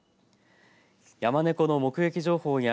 ヤマネコの目撃情報や